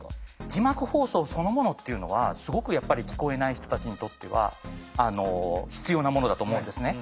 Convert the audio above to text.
字幕放送そのものっていうのはすごくやっぱり聞こえない人たちにとっては必要なものだと思うんですね。